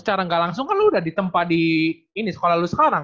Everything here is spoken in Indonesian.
secara gak langsung kan lu udah ditempa di ini sekolah lu sekarang